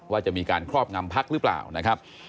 ว่าจะมีการครอบงำพักหรือเปล่านะครับ